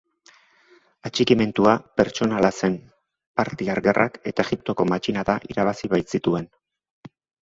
Atxikimendua pertsonala zen partiar gerrak eta Egiptoko matxinada irabazi baitzituen.